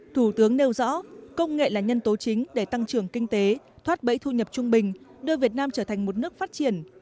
thủ tướng nêu rõ công nghệ là nhân tố chính để tăng trưởng kinh tế thoát bẫy thu nhập trung bình đưa việt nam trở thành một nước phát triển